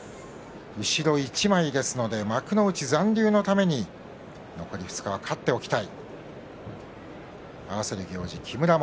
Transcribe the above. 後ろ一枚ですので幕内残留のために勝っておきたい。